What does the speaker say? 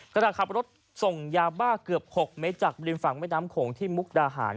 ขณะขับรถส่งยาบ้าเกือบ๖เมตรจากริมฝั่งแม่น้ำโขงที่มุกดาหาร